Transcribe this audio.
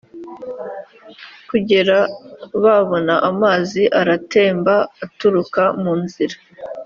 kugera babona amazi aratemba aturuka mu nzira